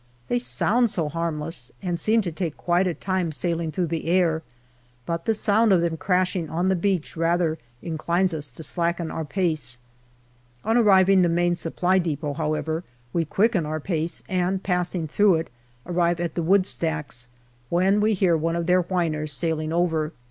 They sound so harmless, and seem to take quite a time sailing through the ah", but the sound of them crashing on the beach rather inclines us to slacken our pace. On approaching the Main Supply depot, how ever, we quicken our pace, and passing through it, arrive at the wood stacks, when we hear one of their whiners sailing over.